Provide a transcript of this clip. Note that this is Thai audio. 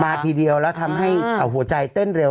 ทีเดียวแล้วทำให้หัวใจเต้นเร็ว